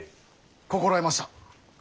心得ました。